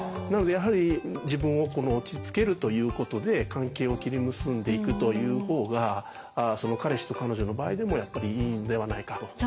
なのでやはり自分を落ち着けるということで関係を切り結んでいくという方がその彼氏と彼女の場合でもやっぱりいいんではないかと。